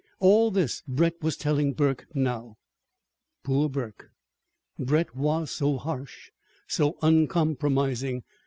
All this Brett was telling Burke now. Poor Burke! Brett was so harsh, so uncompromising.